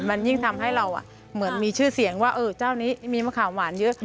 มันยิ่งทำให้เราเหมือนมีชื่อเสียงว่าเจ้านี้มีมะขามหวานเยอะ